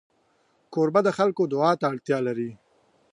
کوربه د خلکو دعا ته اړتیا لري.